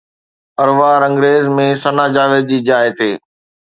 عروا رنگريز ۾ ثنا جاويد جي جاءِ تي